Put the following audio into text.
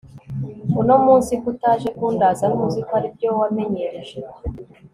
uno munsi ko utaje kundaza ntuziko aribyo wamenyereje